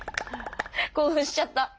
興奮しちゃった。